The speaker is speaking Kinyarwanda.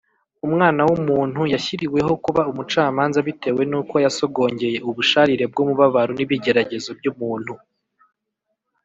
” Umwana w’umuntu yashyiriweho kuba umucamanza bitewe n’uko yasogongeye ubusharire bw’umubabaro n’ibigeragezo by’umuntu,